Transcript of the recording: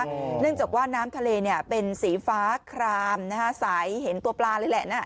เนื่องจากว่าน้ำทะเลเนี่ยเป็นสีฟ้าครามนะฮะสายเห็นตัวปลาเลยแหละนะ